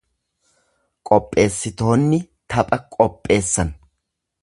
Qopheessitoonni tapha qopheessan.